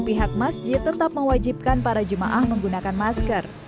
pihak masjid tetap mewajibkan para jemaah menggunakan masker